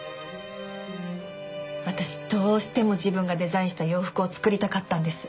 私どうしても自分がデザインした洋服を作りたかったんです。